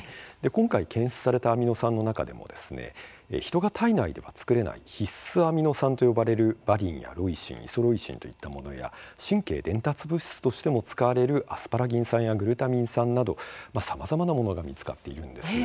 今回検出されたアミノ酸の中でも人が体内では作れない必須アミノ酸と呼ばれるバリンやロイシン、イソロイシンといったものや、神経伝達物質としても使われるアスパラギン酸やグルタミン酸などさまざまなものが見つかっているんです。